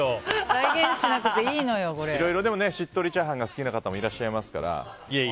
でも、いろいろしっとりチャーハンが好きな方もいらっしゃいますから。